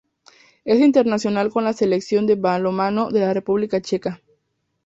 Es internacional con la selección de balonmano de la República Checa.